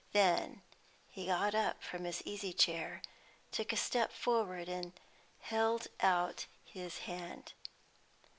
Then he got up from his easy chair, took a step forward, and held out his hand.